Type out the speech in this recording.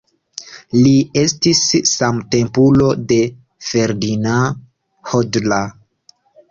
Li estis samtempulo de Ferdinand Hodler.